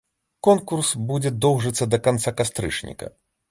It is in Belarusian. Конкурс будзе доўжыцца да канца кастрычніка.